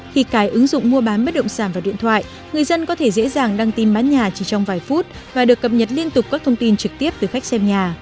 khi cài ứng dụng mua bán bất động sản vào điện thoại người dân có thể dễ dàng đăng tin bán nhà chỉ trong vài phút và được cập nhật liên tục các thông tin trực tiếp từ khách xem nhà